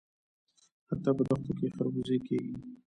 حتی په دښتو کې خربوزې کیږي.